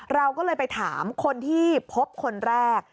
เราก็เลยไปถามคนที่พบคนแรก